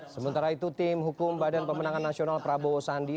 sementara itu tim hukum badan pemenangan nasional prabowo sandi